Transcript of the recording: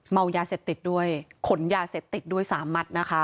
เมายาเสพติดด้วยขนยาเสพติดด้วยสามมัดนะคะ